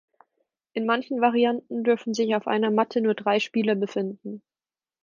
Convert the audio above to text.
In manchen Varianten dürfen sich auf einer Matte nur drei Spieler befinden.